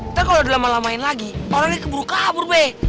ntar kalo udah lama lamain lagi orangnya keburu kabur be